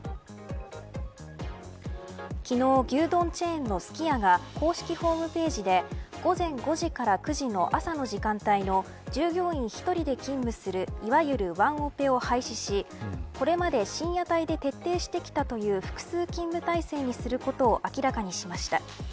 昨日、牛丼チェーンのすき家が公式ホームページで午前５時から９時の朝の時間帯の従業員に１人で勤務するいわゆる、ワンオペを廃止しこれまで深夜帯で徹底していたという複数勤務体制にすることを明らかにしました。